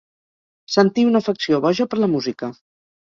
Sentir una afecció boja per la música.